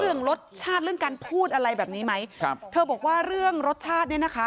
เรื่องรสชาติเรื่องการพูดอะไรแบบนี้ไหมครับเธอบอกว่าเรื่องรสชาติเนี้ยนะคะ